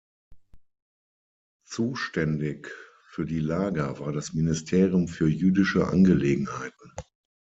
Zuständig für die Lager war das Ministerium für jüdische Angelegenheiten.